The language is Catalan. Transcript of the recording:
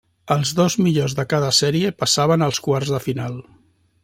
Els dos millors de cada sèrie passaven als quarts de final.